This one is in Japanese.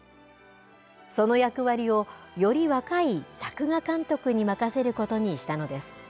その役割を、より若い作画監督に任せることにしたのです。